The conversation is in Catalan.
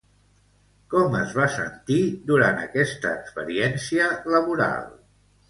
Com es va sentir, durant aquesta experiència laboral?